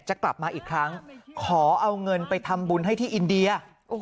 จะกลับมาอีกครั้งขอเอาเงินไปทำบุญให้ที่อินเดีย